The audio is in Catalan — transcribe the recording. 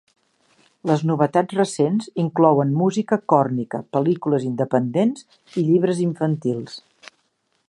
Les novetats recents inclouen música còrnica, pel·lícules independents i llibres infantils.